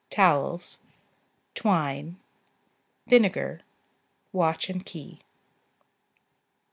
Towels. Twine. Vinegar. Watch and key.